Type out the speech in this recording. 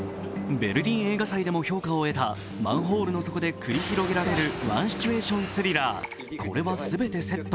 ベルリン映画祭でも評価を得たマンホールの底で繰り広げられるワンシチュエーションスリラー、これは全てセット。